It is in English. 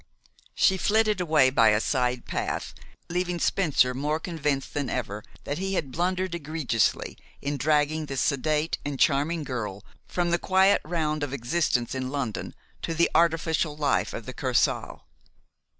She flitted away by a side path, leaving Spencer more convinced than ever that he had blundered egregiously in dragging this sedate and charming girl from the quiet round of existence in London to the artificial life of the Kursaal.